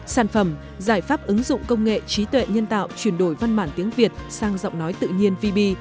sản phẩm giải pháp ứng dụng công nghệ trí tuệ nhân tạo chuyển đổi văn bản tiếng việt sang giọng nói tự nhiên vb